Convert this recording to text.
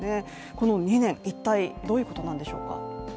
この２年、一体どういうことなんでしょうか。